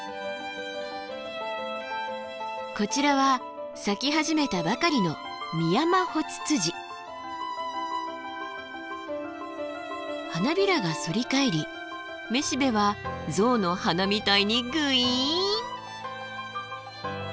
こちらは咲き始めたばかりの花びらが反り返り雌しべは象の鼻みたいにぐいん。